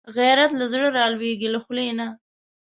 غیرت له زړه راولاړېږي، له خولې نه